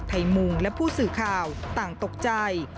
มุงและผู้สื่อข่าวต่างตกใจ